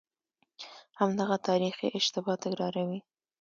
همدغه تاریخي اشتباه تکراروي.